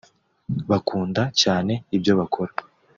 bakunda cyane ibyo bakora